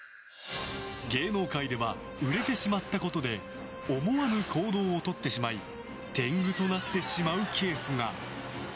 芸能界では売れてしまったことで思わぬ行動をとってしまい天狗となってしまうケースが。